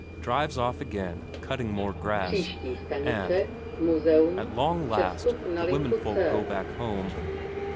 Drives off again, cutting more grass. And, at long last, the womenfolk go back home.